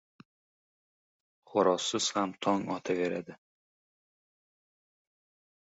• Xo‘rozsiz ham tong otaveradi.